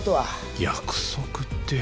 約束って。